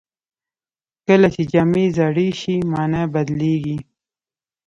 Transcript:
کله چې جامې زاړه شي، مانا بدلېږي.